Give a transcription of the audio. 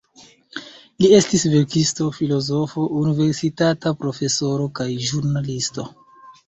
Li estis verkisto, filozofo, universitata profesoro kaj ĵurnalisto.